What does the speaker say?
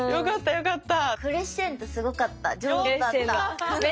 よかった！